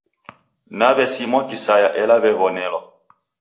Na w'esimwa kisaya ela w'ew'onelwa.